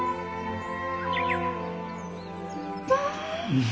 うん！